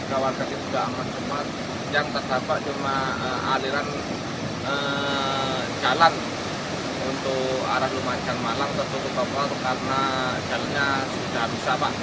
haliran jalan untuk arah lumajang malang tertutup terbaru karena jalannya sudah rusak